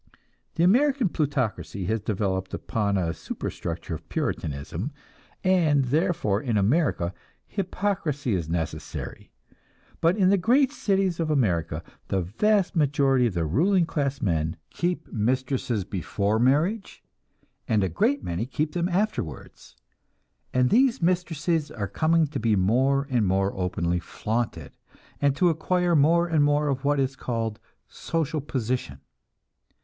The American plutocracy has developed upon a superstructure of Puritanism, and therefore, in America, hypocrisy is necessary. But in the great cities of America, the vast majority of the ruling class men keep mistresses before marriage, and a great many keep them afterwards; and these mistresses are coming to be more and more openly flaunted, and to acquire more and more of what is called "social position."